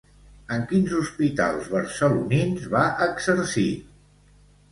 En quins hospitals barcelonins va exercir?